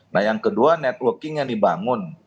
nah yang kedua networking yang dibangun